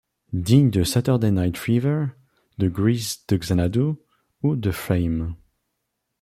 Digne de Saturday Night Fever, de Grease de Xanadu ou de Fame.